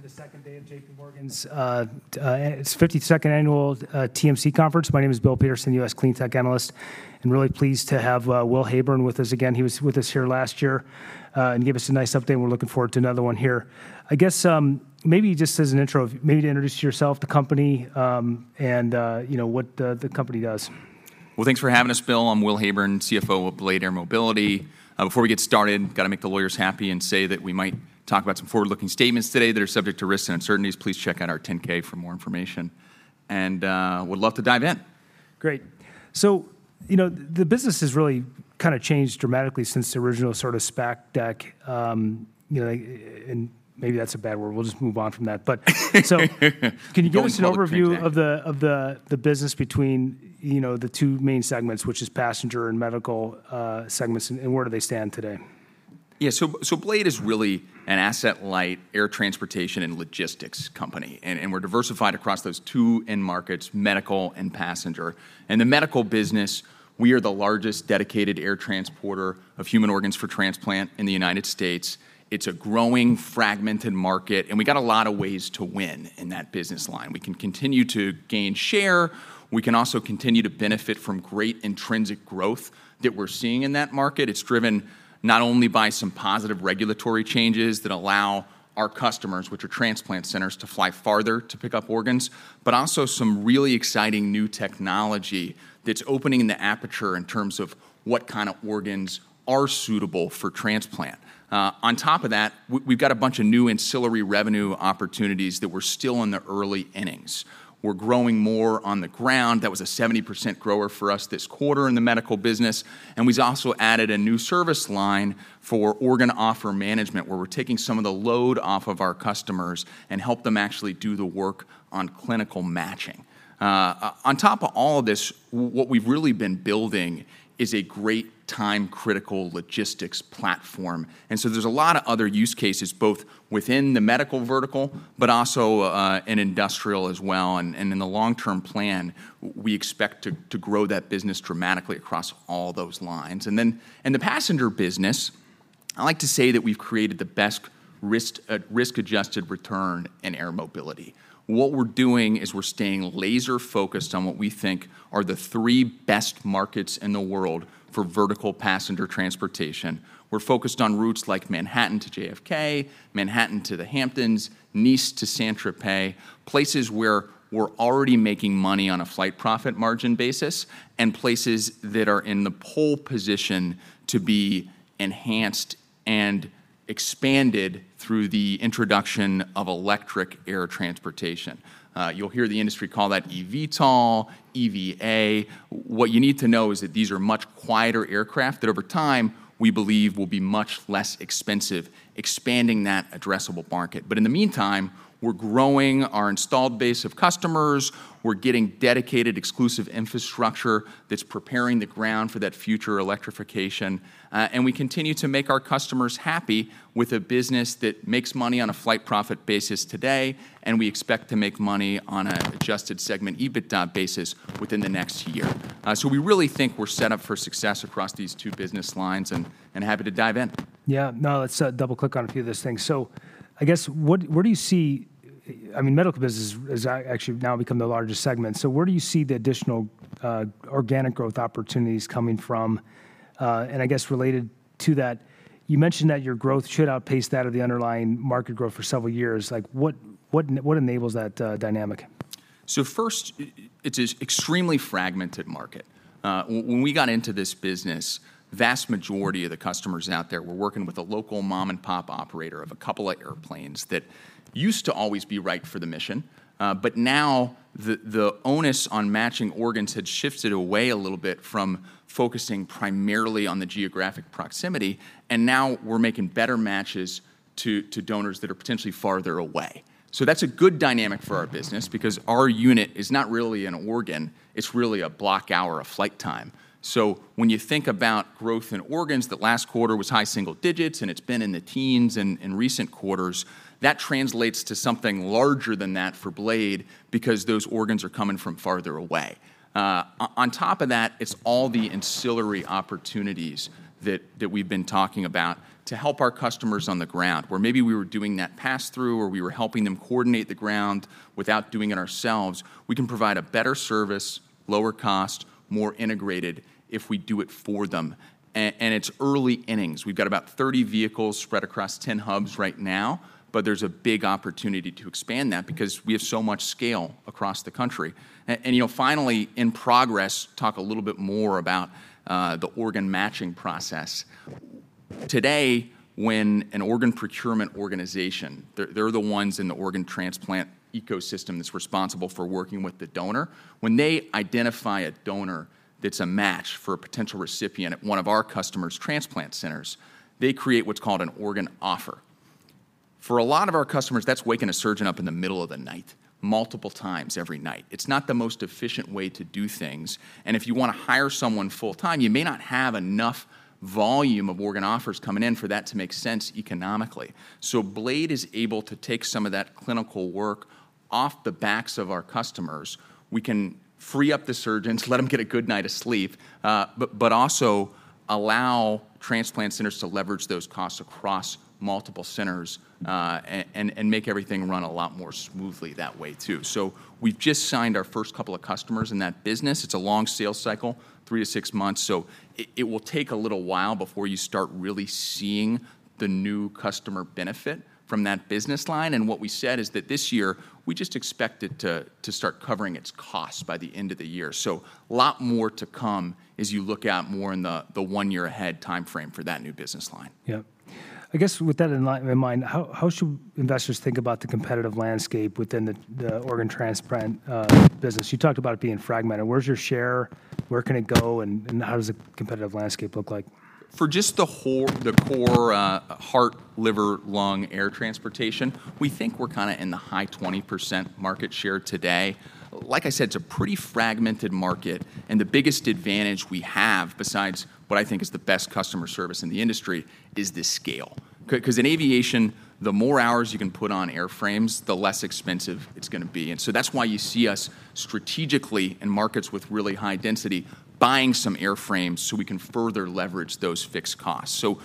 Welcome to the second day of J.P. Morgan's, its 52nd annual, TMC Conference. My name is Bill Peterson, U.S. Cleantech Analyst, and really pleased to have, Will Heyburn with us again. He was with us here last year, and gave us a nice update, and we're looking forward to another one here. I guess, maybe just as an intro, maybe to introduce yourself, the company, and, you know, what, the company does. Well, thanks for having us, Bill. I'm Will Heyburn, CFO of Blade Air Mobility. Before we get started, gotta make the lawyers happy and say that we might talk about some forward-looking statements today that are subject to risks and uncertainties. Please check out our 10-K for more information, and would love to dive in. Great. So, you know, the business has really kind of changed dramatically since the original sort of SPAC deck. You know, and maybe that's a bad word. We'll just move on from that. So can you give us an overview? We don't want to change that. of the business between, you know, the two main segments, which is passenger and medical segments, and where do they stand today? Yeah, so Blade is really an asset-light air transportation and logistics company, and we're diversified across those two end markets, medical and passenger. In the medical business, we are the largest dedicated air transporter of human organs for transplant in the United States. It's a growing, fragmented market, and we got a lot of ways to win in that business line. We can continue to gain share. We can also continue to benefit from great intrinsic growth that we're seeing in that market. It's driven not only by some positive regulatory changes that allow our customers, which are transplant centers, to fly farther to pick up organs, but also some really exciting new technology that's opening the aperture in terms of what kind of organs are suitable for transplant. On top of that, we've got a bunch of new ancillary revenue opportunities that we're still in the early innings. We're growing more on the ground. That was a 70% grower for us this quarter in the medical business, and we've also added a new service line for organ offer management, where we're taking some of the load off of our customers and help them actually do the work on clinical matching. On top of all of this, what we've really been building is a great time-critical logistics platform, and so there's a lot of other use cases, both within the medical vertical, but also in industrial as well. And in the long-term plan, we expect to grow that business dramatically across all those lines. And then in the passenger business, I like to say that we've created the best risk-adjusted return in air mobility. What we're doing is we're staying laser-focused on what we think are the three best markets in the world for vertical passenger transportation. We're focused on routes like Manhattan to JFK, Manhattan to the Hamptons, Nice to Saint-Tropez, places where we're already making money on a flight profit margin basis, and places that are in the pole position to be enhanced and expanded through the introduction of electric air transportation. You'll hear the industry call that eVTOL, EVA. What you need to know is that these are much quieter aircraft, that over time, we believe will be much less expensive, expanding that addressable market. But in the meantime, we're growing our installed base of customers. We're getting dedicated, exclusive infrastructure that's preparing the ground for that future electrification, and we continue to make our customers happy with a business that makes money on a flight profit basis today, and we expect to make money on an adjusted segment EBITDA basis within the next year. So we really think we're set up for success across these two business lines, and happy to dive in. Yeah. Now, let's double-click on a few of those things. So I guess, what, where do you see... I mean, medical business has actually now become the largest segment. So where do you see the additional organic growth opportunities coming from? And I guess related to that, you mentioned that your growth should outpace that of the underlying market growth for several years. Like, what, what enables that dynamic? So first, it's an extremely fragmented market. When we got into this business, vast majority of the customers out there were working with a local mom-and-pop operator of a couple of airplanes that used to always be right for the mission. But now the onus on matching organs had shifted away a little bit from focusing primarily on the geographic proximity, and now we're making better matches to donors that are potentially farther away. So that's a good dynamic for our business because our unit is not really an organ, it's really a block hour of flight time. So when you think about growth in organs, that last quarter was high single digits, and it's been in the teens in recent quarters. That translates to something larger than that for Blade because those organs are coming from farther away. On top of that, it's all the ancillary opportunities that, that we've been talking about to help our customers on the ground, where maybe we were doing that pass-through, or we were helping them coordinate the ground without doing it ourselves. We can provide a better service, lower cost, more integrated if we do it for them, and it's early innings. We've got about 30 vehicles spread across 10 hubs right now, but there's a big opportunity to expand that because we have so much scale across the country. And, you know, finally, in progress, talk a little bit more about the organ matching process. Today, when an organ procurement organization, they're the ones in the organ transplant ecosystem that's responsible for working with the donor, when they identify a donor that's a match for a potential recipient at one of our customers' transplant centers, they create what's called an organ offer. For a lot of our customers, that's waking a surgeon up in the middle of the night, multiple times every night. It's not the most efficient way to do things, and if you want to hire someone full-time, you may not have enough volume of organ offers coming in for that to make sense economically. So Blade is able to take some of that clinical work off the backs of our customers. We can free up the surgeons, let them get a good night of sleep, but also allow transplant centers to leverage those costs across multiple centers, and make everything run a lot more smoothly that way, too. So we've just signed our first couple of customers in that business. It's a long sales cycle, 3-6 months, so it will take a little while before you start really seeing the new customer benefit from that business line. And what we said is that this year, we just expect it to start covering its costs by the end of the year. So a lot more to come as you look out more in the one-year ahead timeframe for that new business line. Yep. I guess with that in mind, how should investors think about the competitive landscape within the organ transplant business? You talked about it being fragmented. Where's your share? Where can it go, and how does the competitive landscape look like? For just the core heart, liver, lung air transportation, we think we're kind of in the high 20% market share today. Like I said, it's a pretty fragmented market, and the biggest advantage we have, besides what I think is the best customer service in the industry, is the scale. 'Cause in aviation, the more hours you can put on airframes, the less expensive it's gonna be, and so that's why you see us strategically in markets with really high density, buying some airframes so we can further leverage those fixed costs. So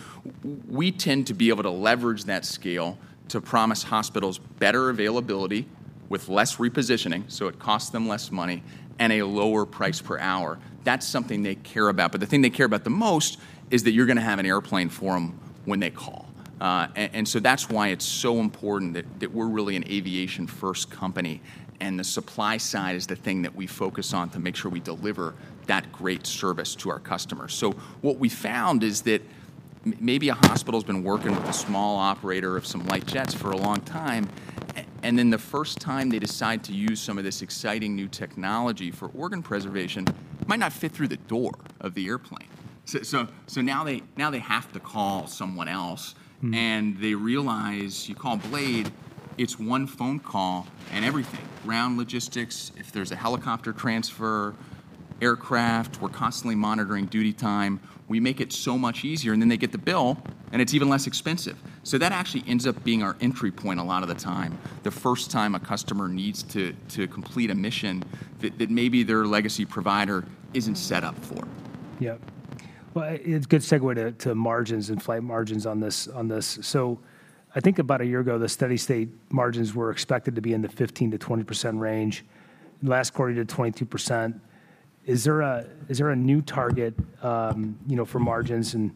we tend to be able to leverage that scale to promise hospitals better availability with less repositioning, so it costs them less money, and a lower price per hour. That's something they care about, but the thing they care about the most is that you're gonna have an airplane for them when they call. And so that's why it's so important that we're really an aviation-first company, and the supply side is the thing that we focus on to make sure we deliver that great service to our customers. So what we found is that maybe a hospital's been working with a small operator of some light jets for a long time, and then the first time they decide to use some of this exciting new technology for organ preservation, it might not fit through the door of the airplane. So now they have to call someone else- and they realize, you call Blade, it's one phone call and everything, ground logistics, if there's a helicopter transfer, aircraft, we're constantly monitoring duty time. We make it so much easier, and then they get the bill, and it's even less expensive. So that actually ends up being our entry point a lot of the time, the first time a customer needs to complete a mission that maybe their legacy provider isn't set up for. Yep. Well, it's a good segue to margins and flight margins on this, on this. So I think about a year ago, the steady-state margins were expected to be in the 15%-20% range. Last quarter, you did 22%. Is there a new target, you know, for margins? And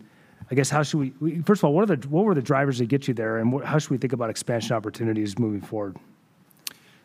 I guess how should we... First of all, what were the drivers that get you there, and how should we think about expansion opportunities moving forward?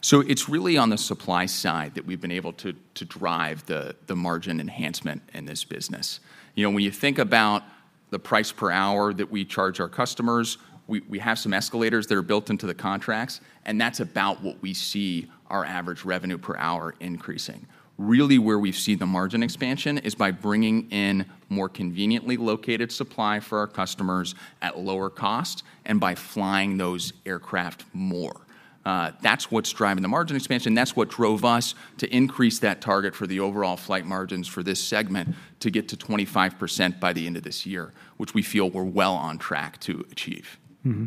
So it's really on the supply side that we've been able to drive the margin enhancement in this business. You know, when you think about the price per hour that we charge our customers, we have some escalators that are built into the contracts, and that's about what we see our average revenue per hour increasing. Really, where we see the margin expansion is by bringing in more conveniently located supply for our customers at lower cost and by flying those aircraft more. That's what's driving the margin expansion. That's what drove us to increase that target for the overall flight margins for this segment to get to 25% by the end of this year, which we feel we're well on track to achieve. Mm-hmm.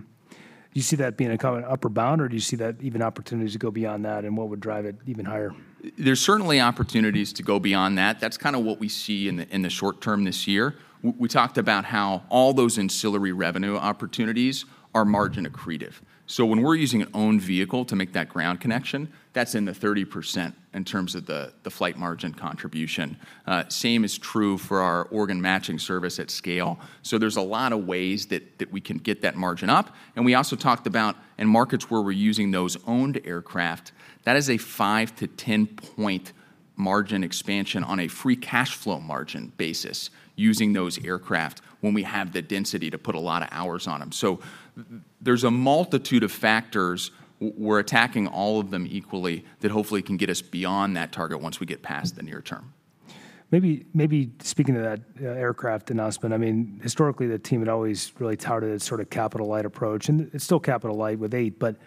Do you see that being a common upper bound, or do you see that even opportunities to go beyond that, and what would drive it even higher? There's certainly opportunities to go beyond that. That's kind of what we see in the short term this year. We talked about how all those ancillary revenue opportunities are margin accretive. So when we're using an owned vehicle to make that ground connection, that's in the 30% in terms of the flight margin contribution. Same is true for our organ matching service at scale. So there's a lot of ways that we can get that margin up, and we also talked about in markets where we're using those owned aircraft, that is a 5- to 10-point margin expansion on a free cash flow margin basis using those aircraft when we have the density to put a lot of hours on them. There's a multitude of factors. We're attacking all of them equally, that hopefully can get us beyond that target once we get past the near term. Maybe, maybe speaking of that aircraft announcement, I mean, historically, the team had always really touted its sort of capital-light approach, and it's still capital light with 8, but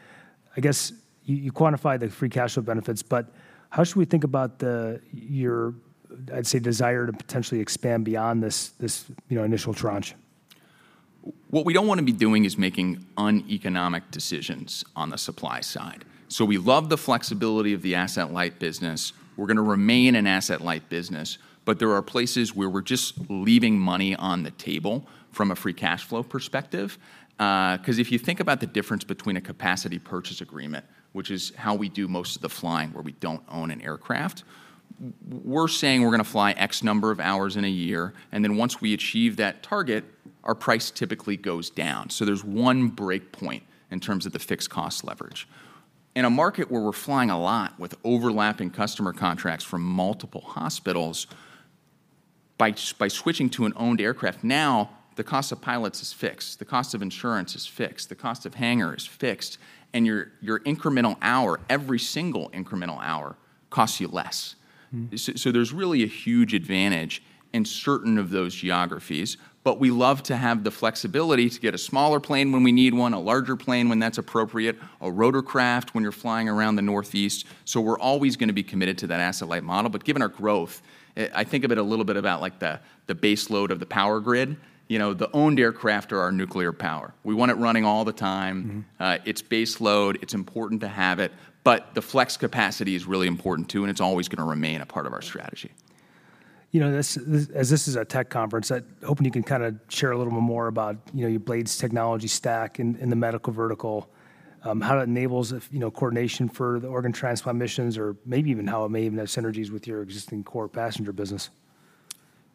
I guess you quantify the free cash flow benefits, but how should we think about your, I'd say, desire to potentially expand beyond this, you know, initial tranche? What we don't want to be doing is making uneconomic decisions on the supply side. So we love the flexibility of the asset-light business. We're gonna remain an asset-light business, but there are places where we're just leaving money on the table from a free cash flow perspective. 'Cause if you think about the difference between a capacity purchase agreement, which is how we do most of the flying, where we don't own an aircraft, we're saying we're gonna fly X number of hours in a year, and then once we achieve that target, our price typically goes down. So there's one break point in terms of the fixed cost leverage. In a market where we're flying a lot with overlapping customer contracts from multiple hospitals, by switching to an owned aircraft, now the cost of pilots is fixed, the cost of insurance is fixed, the cost of hangar is fixed, and your, your incremental hour, every single incremental hour, costs you less. So there's really a huge advantage in certain of those geographies, but we love to have the flexibility to get a smaller plane when we need one, a larger plane when that's appropriate, a rotorcraft when you're flying around the Northeast. So we're always gonna be committed to that asset-light model, but given our growth, I think of it a little bit about like the base load of the power grid. You know, the owned aircraft are our nuclear power. We want it running all the time. It's base load. It's important to have it, but the flex capacity is really important too, and it's always gonna remain a part of our strategy. You know, this, as this is a tech conference, I'm hoping you can kinda share a little bit more about, you know, your Blade's technology stack in the medical vertical. How that enables, you know, coordination for the organ transplant missions, or maybe even how it may even have synergies with your existing core passenger business.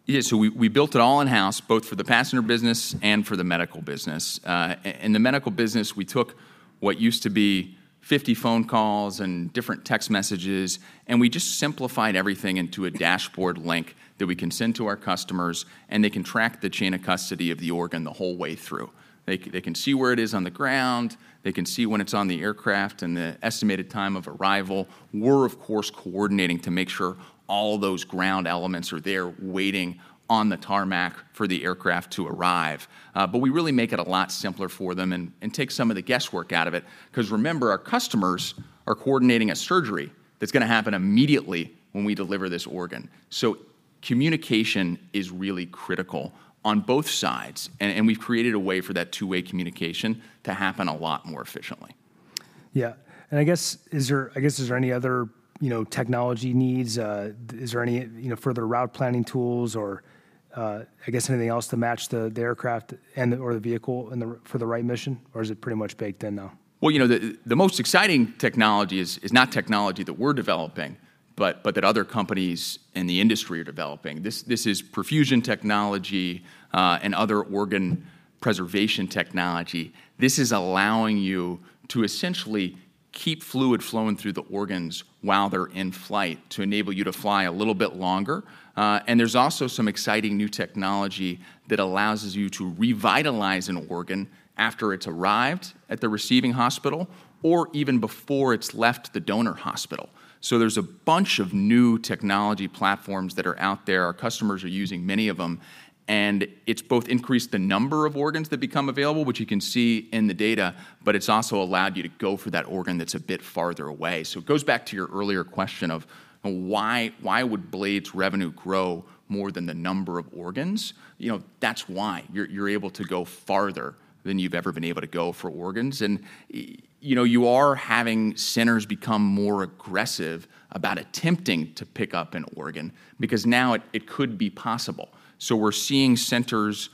Yeah, so we built it all in-house, both for the passenger business and for the medical business. And the medical business, we took what used to be 50 phone calls and different text messages, and we just simplified everything into a dashboard link that we can send to our customers, and they can track the chain of custody of the organ the whole way through. They can see where it is on the ground, they can see when it's on the aircraft and the estimated time of arrival. We're, of course, coordinating to make sure all those ground elements are there waiting on the tarmac for the aircraft to arrive. But we really make it a lot simpler for them and, and take some of the guesswork out of it, 'cause remember, our customers are coordinating a surgery that's gonna happen immediately when we deliver this organ. So communication is really critical on both sides, and, and we've created a way for that two-way communication to happen a lot more efficiently. Yeah. I guess, is there, I guess, is there any other, you know, technology needs? Is there any, you know, further route planning tools or, I guess, anything else to match the aircraft and the vehicle in the right for the right mission, or is it pretty much baked in now? Well, you know, the most exciting technology is not technology that we're developing, but that other companies in the industry are developing. This is perfusion technology, and other organ preservation technology. This is allowing you to essentially keep fluid flowing through the organs while they're in flight, to enable you to fly a little bit longer. And there's also some exciting new technology that allows you to revitalize an organ after it's arrived at the receiving hospital, or even before it's left the donor hospital. So there's a bunch of new technology platforms that are out there. Our customers are using many of them, and it's both increased the number of organs that become available, which you can see in the data, but it's also allowed you to go for that organ that's a bit farther away. So it goes back to your earlier question of why, why would Blade's revenue grow more than the number of organs? You know, that's why. You're able to go farther than you've ever been able to go for organs. And, you know, you are having centers become more aggressive about attempting to pick up an organ, because now it could be possible. So we're seeing centers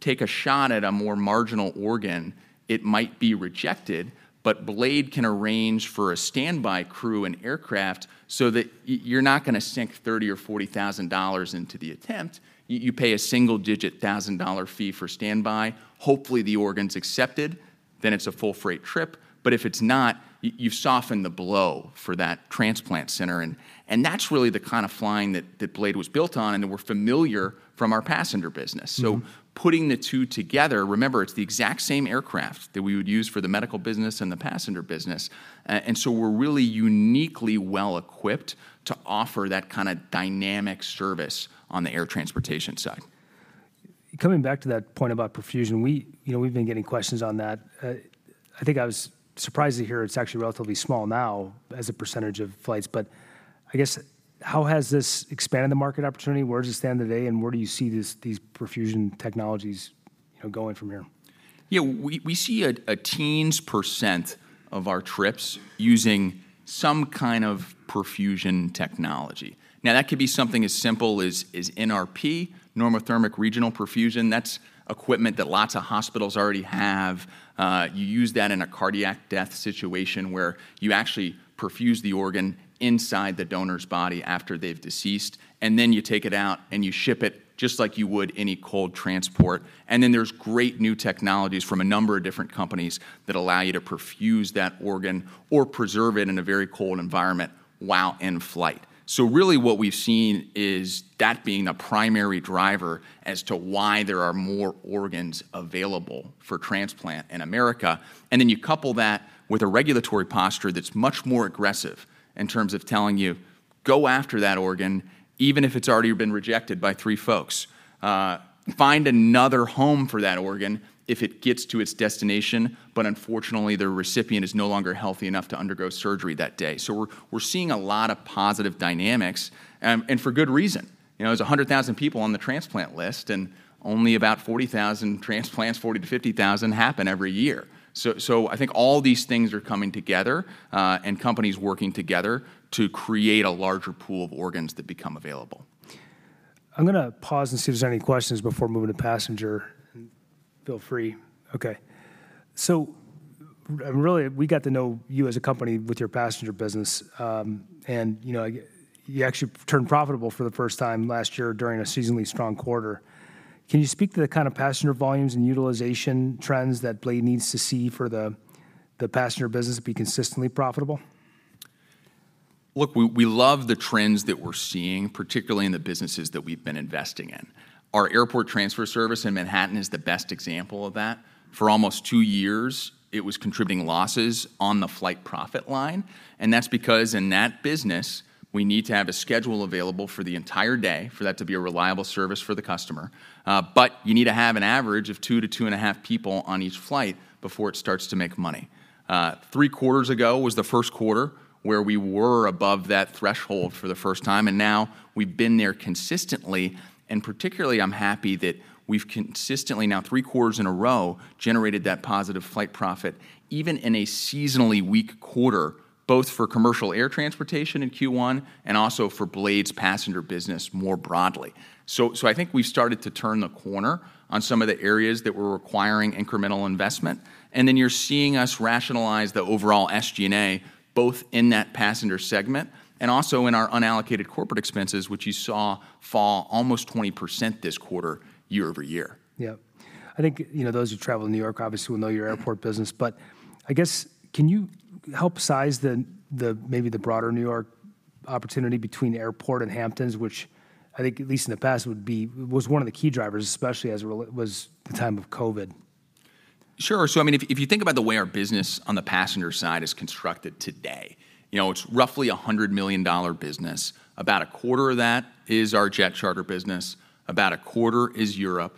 take a shot at a more marginal organ. It might be rejected, but Blade can arrange for a standby crew and aircraft so that you're not gonna sink $30,000 or $40,000 into the attempt. You pay a single-digit thousand-dollar fee for standby. Hopefully, the organ's accepted, then it's a full freight trip, but if it's not, you soften the blow for that transplant center. That's really the kind of flying that Blade was built on and that we're familiar from our passenger business. So putting the two together, remember, it's the exact same aircraft that we would use for the medical business and the passenger business. And so we're really uniquely well-equipped to offer that kind of dynamic service on the air transportation side. Coming back to that point about perfusion, we, you know, we've been getting questions on that. I think I was surprised to hear it's actually relatively small now as a percentage of flights, but I guess, how has this expanded the market opportunity? Where does it stand today, and where do you see these perfusion technologies, you know, going from here? Yeah, we see a teens% of our trips using some kind of perfusion technology. Now, that could be something as simple as NRP, normothermic regional perfusion. That's equipment that lots of hospitals already have. You use that in a cardiac death situation, where you actually perfuse the organ inside the donor's body after they've deceased, and then you take it out, and you ship it just like you would any cold transport. And then there's great new technologies from a number of different companies that allow you to perfuse that organ or preserve it in a very cold environment while in flight. So really, what we've seen is that being the primary driver as to why there are more organs available for transplant in America. And then you couple that with a regulatory posture that's much more aggressive in terms of telling you, "Go after that organ, even if it's already been rejected by three folks. Find another home for that organ if it gets to its destination, but unfortunately, the recipient is no longer healthy enough to undergo surgery that day." So we're, we're seeing a lot of positive dynamics, and for good reason. You know, there's 100,000 people on the transplant list, and only about 40,000 transplants, 40,000-50,000, happen every year. So, so I think all these things are coming together, and companies working together to create a larger pool of organs that become available. I'm gonna pause and see if there's any questions before moving to passenger. Feel free. Okay. So really, we got to know you as a company with your passenger business. And, you know, you actually turned profitable for the first time last year during a seasonally strong quarter. Can you speak to the kind of passenger volumes and utilization trends that Blade needs to see for the passenger business to be consistently profitable? Look, we love the trends that we're seeing, particularly in the businesses that we've been investing in. Our airport transfer service in Manhattan is the best example of that. For almost 2 years, it was contributing losses on the flight profit line, and that's because in that business, we need to have a schedule available for the entire day for that to be a reliable service for the customer. But you need to have an average of 2-2.5 people on each flight before it starts to make money. 3 quarters ago was the first quarter where we were above that threshold for the first time, and now we've been there consistently. Particularly, I'm happy that we've consistently now, three quarters in a row, generated that positive flight profit, even in a seasonally weak quarter, both for commercial air transportation in Q1, and also for Blade's passenger business more broadly. So, I think we've started to turn the corner on some of the areas that were requiring incremental investment, and then you're seeing us rationalize the overall SG&A, both in that passenger segment and also in our unallocated corporate expenses, which you saw fall almost 20% this quarter, year-over-year. Yep. I think, you know, those who travel in New York obviously will know your airport business, but I guess, can you help size the maybe the broader New York opportunity between airport and Hamptons, which I think, at least in the past, was one of the key drivers, especially as it was the time of COVID? Sure. So, I mean, if you think about the way our business on the passenger side is constructed today, you know, it's roughly a $100 million business. About a quarter of that is our jet charter business, about a quarter is Europe,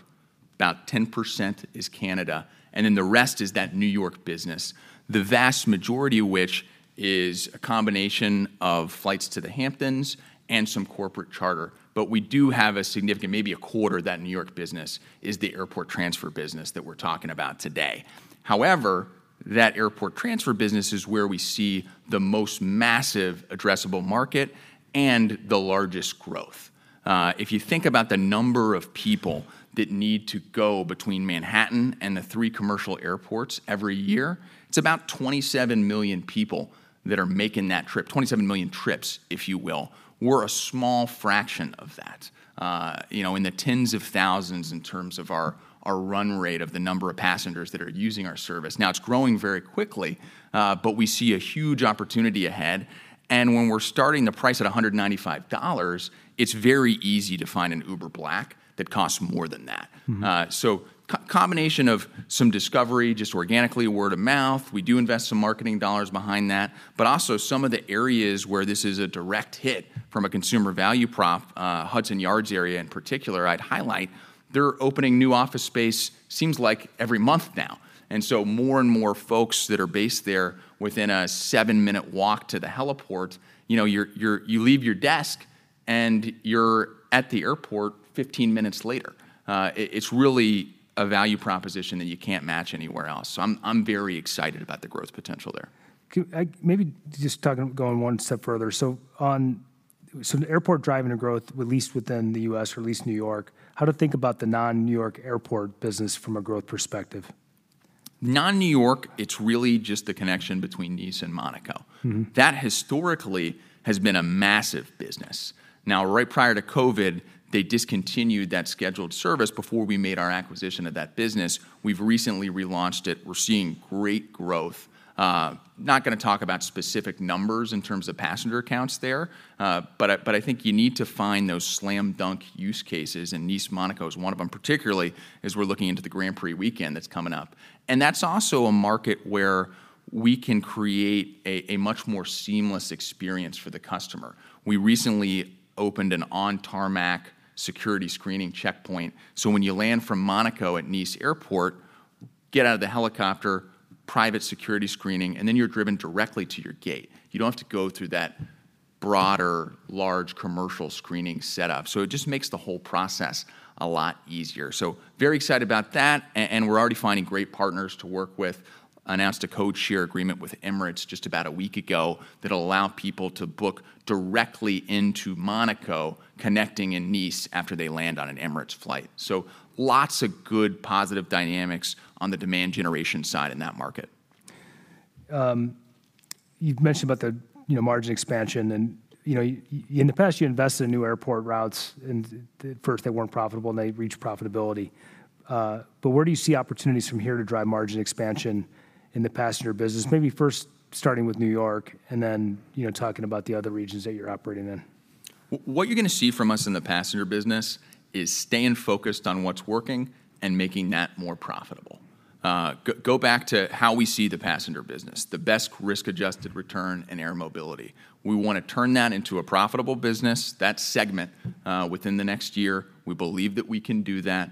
about 10% is Canada, and then the rest is that New York business, the vast majority of which is a combination of flights to the Hamptons and some corporate charter. But we do have a significant, maybe a quarter, of that New York business is the airport transfer business that we're talking about today. However, that airport transfer business is where we see the most massive addressable market and the largest growth. If you think about the number of people that need to go between Manhattan and the three commercial airports every year, it's about 27 million people that are making that trip, 27 million trips, if you will. We're a small fraction of that, you know, in the tens of thousands in terms of our run rate of the number of passengers that are using our service. Now, it's growing very quickly, but we see a huge opportunity ahead, and when we're starting the price at $195, it's very easy to find an Uber Black that costs more than that. So combination of some discovery, just organically, word of mouth. We do invest some marketing dollars behind that, but also some of the areas where this is a direct hit from a consumer value prop, Hudson Yards area in particular, I'd highlight. They're opening new office space, seems like every month now, and so more and more folks that are based there within a 7-minute walk to the heliport, you know, you leave your desk, and you're at the airport 15 minutes later. It's really a value proposition that you can't match anywhere else, so I'm very excited about the growth potential there. Can I maybe just talking, going one step further, so on so the airport driving the growth, at least within the U.S., or at least New York, how to think about the non-New York airport business from a growth perspective? Non-New York, it's really just the connection between Nice and Monaco. That historically has been a massive business. Now, right prior to COVID, they discontinued that scheduled service before we made our acquisition of that business. We've recently relaunched it. We're seeing great growth. Not gonna talk about specific numbers in terms of passenger counts there, but I think you need to find those slam dunk use cases, and Nice, Monaco is one of them, particularly as we're looking into the Grand Prix weekend that's coming up. That's also a market where we can create a much more seamless experience for the customer. We recently opened an on-tarmac security screening checkpoint, so when you land from Monaco at Nice Airport, get out of the helicopter, private security screening, and then you're driven directly to your gate. You don't have to go through that broader, large commercial screening setup, so it just makes the whole process a lot easier. So very excited about that, and we're already finding great partners to work with. Announced a codeshare agreement with Emirates just about a week ago that'll allow people to book directly into Monaco, connecting in Nice after they land on an Emirates flight. So lots of good, positive dynamics on the demand generation side in that market. You've mentioned about the, you know, margin expansion, and, you know, in the past, you invested in new airport routes, and at first, they weren't profitable, and they reached profitability. But where do you see opportunities from here to drive margin expansion in the passenger business? Maybe first starting with New York and then, you know, talking about the other regions that you're operating in. What you're gonna see from us in the passenger business is staying focused on what's working and making that more profitable. Go back to how we see the passenger business, the best risk-adjusted return in air mobility. We wanna turn that into a profitable business, that segment, within the next year. We believe that we can do that.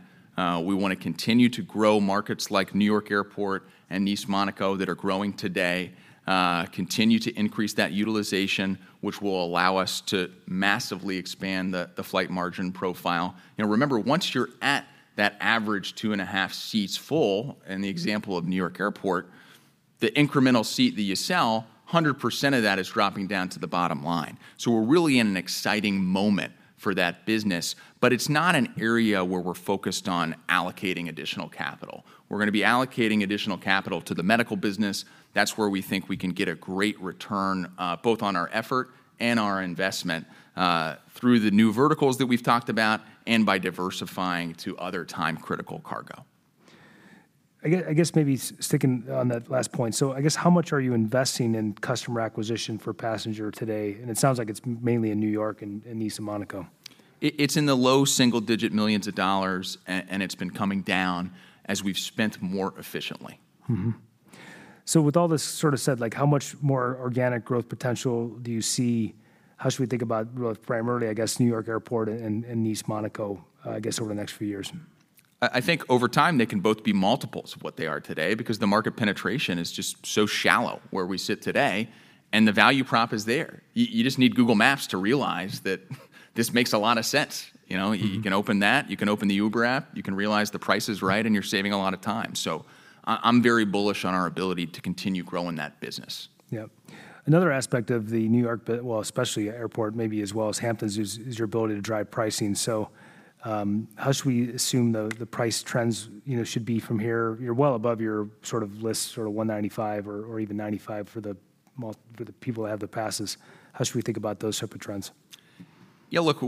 We wanna continue to grow markets like New York Airport and Nice, Monaco, that are growing today, continue to increase that utilization, which will allow us to massively expand the flight margin profile. You know, remember, once you're at that average 2.5 seats full, in the example of New York Airport, the incremental seat that you sell, 100% of that is dropping down to the bottom line. So we're really in an exciting moment for that business, but it's not an area where we're focused on allocating additional capital. We're gonna be allocating additional capital to the medical business. That's where we think we can get a great return, both on our effort and our investment, through the new verticals that we've talked about and by diversifying to other time-critical cargo. I guess, I guess maybe sticking on that last point, so I guess, how much are you investing in customer acquisition for passenger today? It sounds like it's mainly in New York and Nice and Monaco. It's in the low single-digit $ millions, and it's been coming down as we've spent more efficiently. So with all this sort of said, like, how much more organic growth potential do you see? How should we think about growth, primarily, I guess, New York Airport and, and Nice, Monaco, I guess over the next few years? I think over time, they can both be multiples of what they are today because the market penetration is just so shallow where we sit today, and the value prop is there. You just need Google Maps to realize that this makes a lot of sense. You know you can open that. You can open the Uber app. You can realize the price is right, and you're saving a lot of time. So I, I'm very bullish on our ability to continue growing that business. Yep. Another aspect of the New York bit, well, especially airport, maybe as well as Hamptons, is your ability to drive pricing. So, how should we assume the price trends, you know, should be from here? You're well above your sort of list, sort of $195 or even $95 for the people that have the passes. How should we think about those type of trends? Yeah, look,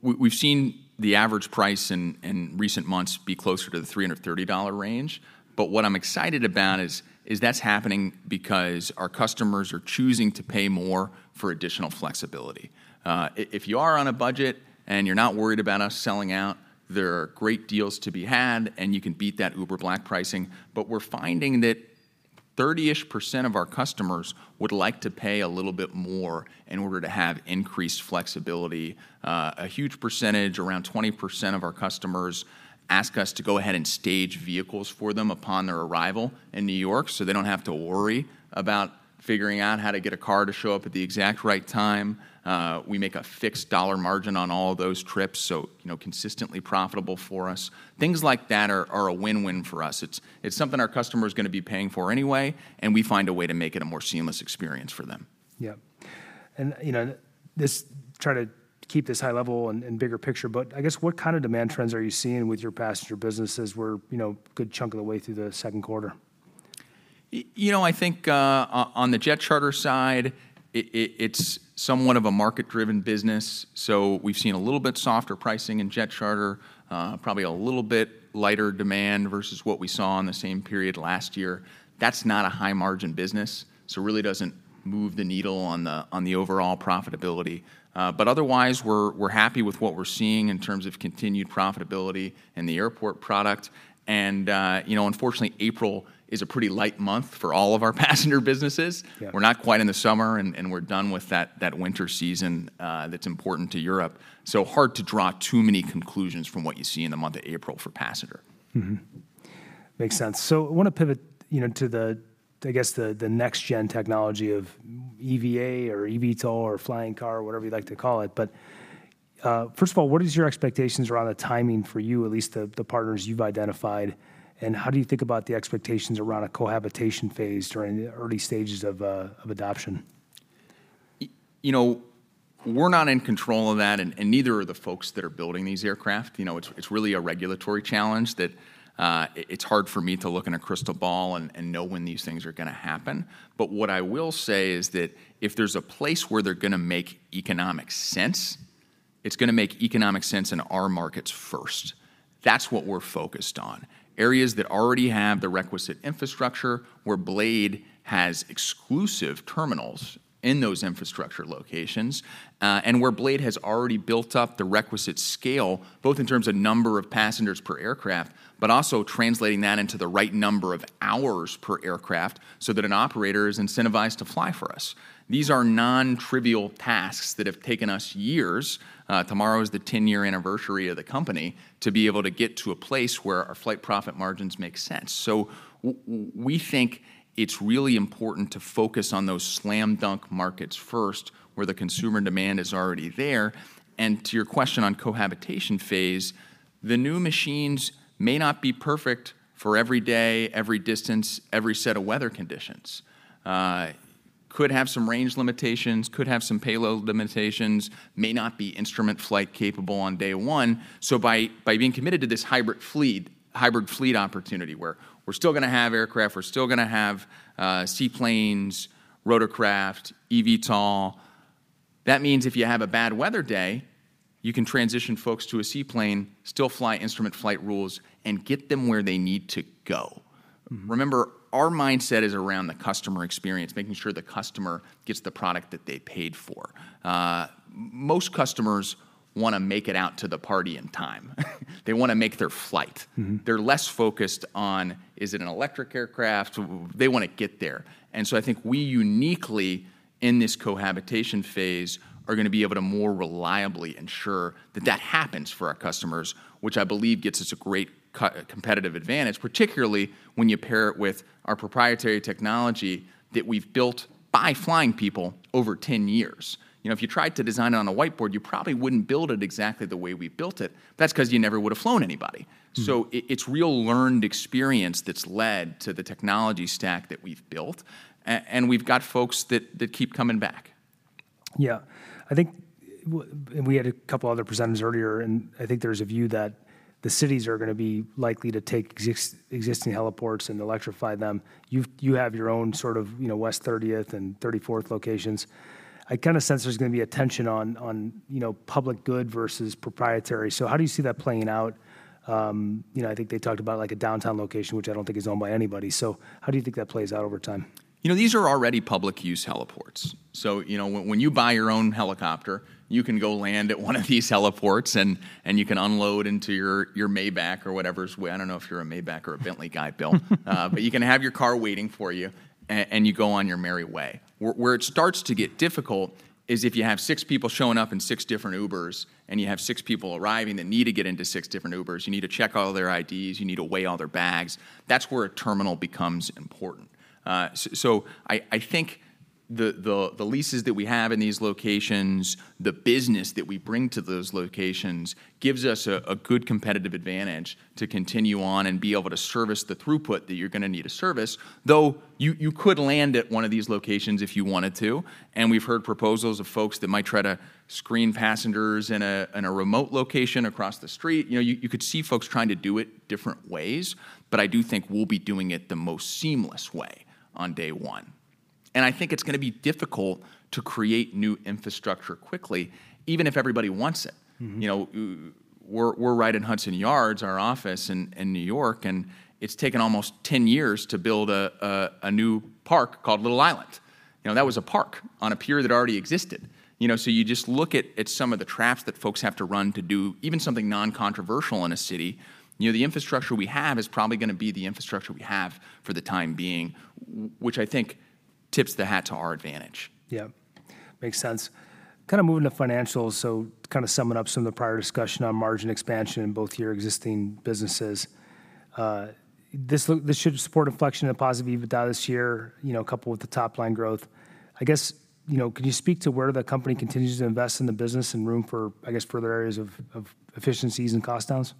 we've seen the average price in recent months be closer to the $330 range, but what I'm excited about is that's happening because our customers are choosing to pay more for additional flexibility. If you are on a budget and you're not worried about us selling out, there are great deals to be had, and you can beat that Uber Black pricing. But we're finding that 30-ish% of our customers would like to pay a little bit more in order to have increased flexibility. A huge percentage, around 20% of our customers, ask us to go ahead and stage vehicles for them upon their arrival in New York, so they don't have to worry about figuring out how to get a car to show up at the exact right time. We make a fixed dollar margin on all those trips, so, you know, consistently profitable for us. Things like that are a win-win for us. It's something our customer's gonna be paying for anyway, and we find a way to make it a more seamless experience for them. Yeah. And, you know, this, try to keep this high level and bigger picture, but I guess, what kind of demand trends are you seeing with your passenger businesses, where, you know, a good chunk of the way through the second quarter? You know, I think on the jet charter side, it's somewhat of a market-driven business, so we've seen a little bit softer pricing in jet charter, probably a little bit lighter demand versus what we saw in the same period last year. That's not a high-margin business, so it really doesn't move the needle on the overall profitability. But otherwise, we're happy with what we're seeing in terms of continued profitability in the airport product. And you know, unfortunately, April is a pretty light month for all of our passenger businesses. Yeah. We're not quite in the summer, and we're done with that winter season, that's important to Europe, so hard to draw too many conclusions from what you see in the month of April for passenger. Mm-hmm. Makes sense. So I want to pivot, you know, to the, I guess, the next-gen technology of EVA or eVTOL or flying car, or whatever you'd like to call it. But first of all, what is your expectations around the timing for you, at least the partners you've identified, and how do you think about the expectations around a cohabitation phase during the early stages of adoption? You know, we're not in control of that, and neither are the folks that are building these aircraft. You know, it's really a regulatory challenge that it's hard for me to look in a crystal ball and know when these things are gonna happen. But what I will say is that if there's a place where they're gonna make economic sense, it's gonna make economic sense in our markets first. That's what we're focused on, areas that already have the requisite infrastructure, where Blade has exclusive terminals in those infrastructure locations, and where Blade has already built up the requisite scale, both in terms of number of passengers per aircraft, but also translating that into the right number of hours per aircraft so that an operator is incentivized to fly for us. These are non-trivial tasks that have taken us years, tomorrow is the 10-year anniversary of the company, to be able to get to a place where our flight profit margins make sense. So we think it's really important to focus on those slam dunk markets first, where the consumer demand is already there. And to your question on cohabitation phase, the new machines may not be perfect for every day, every distance, every set of weather conditions. Could have some range limitations, could have some payload limitations, may not be instrument flight capable on day one. So by being committed to this hybrid fleet, hybrid fleet opportunity, where we're still gonna have aircraft, we're still gonna have seaplanes, rotorcraft, eVTOL, that means if you have a bad weather day, you can transition folks to a seaplane, still fly instrument flight rules, and get them where they need to go. Remember, our mindset is around the customer experience, making sure the customer gets the product that they paid for. Most customers want to make it out to the party on time. They want to make their flight. They're less focused on, is it an electric aircraft? They want to get there. And so I think we uniquely, in this cohabitation phase, are gonna be able to more reliably ensure that that happens for our customers, which I believe gets us a great competitive advantage, particularly when you pair it with our proprietary technology that we've built by flying people over 10 years. You know, if you tried to design it on a whiteboard, you probably wouldn't build it exactly the way we built it. That's 'cause you never would've flown anybody. So it's real learned experience that's led to the technology stack that we've built, and we've got folks that keep coming back. Yeah. I think and we had a couple other presenters earlier, and I think there's a view that the cities are gonna be likely to take existing heliports and electrify them. You have your own sort of, you know, West 30th and 34th locations. I kind of sense there's gonna be a tension on, on, you know, public good versus proprietary, so how do you see that playing out? You know, I think they talked about, like, a downtown location, which I don't think is owned by anybody. So how do you think that plays out over time? You know, these are already public use heliports. So, you know, when you buy your own helicopter, you can go land at one of these heliports, and you can unload into your Maybach or whatever is waiting, I don't know if you're a Maybach or a Bentley guy, Bill. But you can have your car waiting for you, and you go on your merry way. Where it starts to get difficult is if you have six people showing up in six different Ubers, and you have six people arriving that need to get into six different Ubers. You need to check all their IDs, you need to weigh all their bags. That's where a terminal becomes important. So I think the leases that we have in these locations, the business that we bring to those locations, gives us a good competitive advantage to continue on and be able to service the throughput that you're gonna need to service. Though, you could land at one of these locations if you wanted to, and we've heard proposals of folks that might try to screen passengers in a remote location across the street. You know, you could see folks trying to do it different ways, but I do think we'll be doing it the most seamless way on day one. And I think it's gonna be difficult to create new infrastructure quickly, even if everybody wants it. You know, we're right in Hudson Yards, our office in New York, and it's taken almost 10 years to build a new park called Little Island. You know, that was a park on a pier that already existed. You know, so you just look at some of the traps that folks have to run to do even something non-controversial in a city. You know, the infrastructure we have is probably gonna be the infrastructure we have for the time being, which I think tips the hat to our advantage. Yeah. Makes sense. Kinda moving to financials, so to kinda sum up some of the prior discussion on margin expansion in both your existing businesses, this should support an inflection of positive EBITDA this year, you know, coupled with the top line growth. I guess, you know, could you speak to where the company continues to invest in the business and room for, I guess, further areas of efficiencies and cost downs?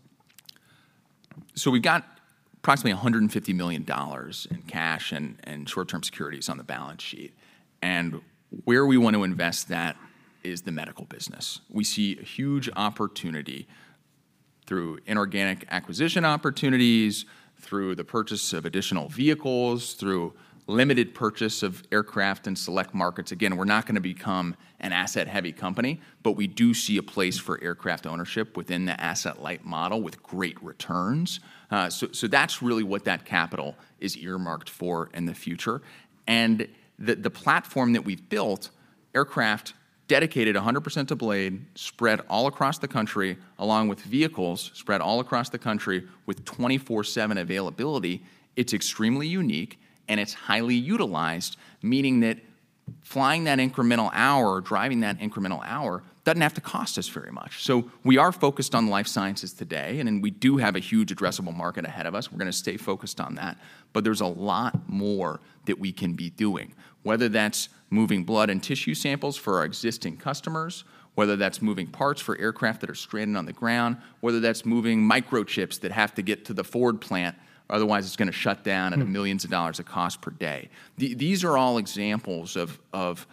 So we've got approximately $150 million in cash and short-term securities on the balance sheet, and where we want to invest that is the medical business. We see a huge opportunity through inorganic acquisition opportunities, through the purchase of additional vehicles, through limited purchase of aircraft in select markets. Again, we're not gonna become an asset-heavy company, but we do see a place for aircraft ownership within the asset-light model with great returns. So that's really what that capital is earmarked for in the future. And the platform that we've built, aircraft dedicated 100% to Blade, spread all across the country, along with vehicles spread all across the country, with 24/7 availability, it's extremely unique, and it's highly utilized, meaning that flying that incremental hour or driving that incremental hour doesn't have to cost us very much. So we are focused on life sciences today, and then we do have a huge addressable market ahead of us. We're gonna stay focused on that. But there's a lot more that we can be doing, whether that's moving blood and tissue samples for our existing customers, whether that's moving parts for aircraft that are stranded on the ground, whether that's moving microchips that have to get to the Ford plant, otherwise, it's gonna shut down at millions of dollars of cost per day. These are all examples of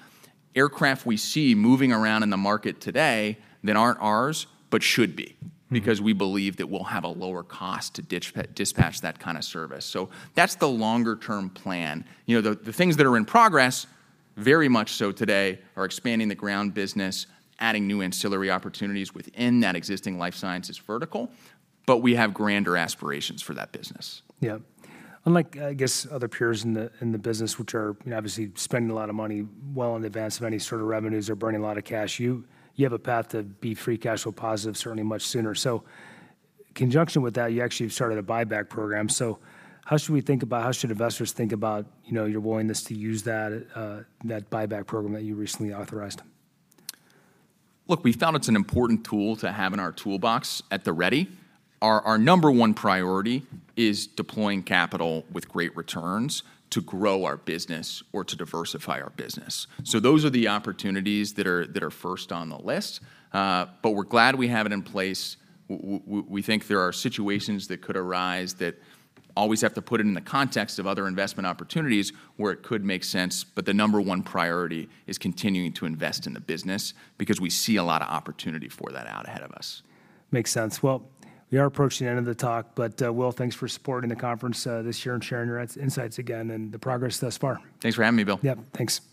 aircraft we see moving around in the market today that aren't ours, but should be-... because we believe that we'll have a lower cost to dispatch that kinda service. So that's the longer-term plan. You know, the things that are in progress, very much so today, are expanding the ground business, adding new ancillary opportunities within that existing life sciences vertical, but we have grander aspirations for that business. Yeah. Unlike, I guess, other peers in the business, which are, you know, obviously spending a lot of money well in advance of any sort of revenues or burning a lot of cash, you have a path to be free cash flow positive, certainly much sooner. In conjunction with that, you actually have started a buyback program. So how should we think about- How should investors think about, you know, your willingness to use that, that buyback program that you recently authorized? Look, we found it's an important tool to have in our toolbox at the ready. Our number one priority is deploying capital with great returns to grow our business or to diversify our business. So those are the opportunities that are first on the list, but we're glad we have it in place. We think there are situations that could arise that always have to put it in the context of other investment opportunities where it could make sense, but the number one priority is continuing to invest in the business because we see a lot of opportunity for that out ahead of us. Makes sense. Well, we are approaching the end of the talk, but, Will, thanks for supporting the conference, this year and sharing your insights again and the progress thus far. Thanks for having me, Bill. Yep, thanks.